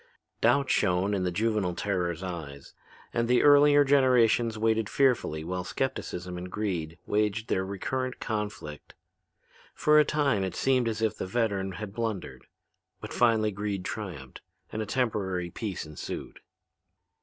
Doubt shone in the juvenile terror's eyes and the earlier generations waited fearfully while skepticism and greed waged their recurrent conflict. For a time it seemed as if the veteran had blundered; but finally greed triumphed and a temporary peace ensued.